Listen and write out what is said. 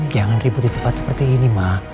jangan ribut di tempat seperti ini mah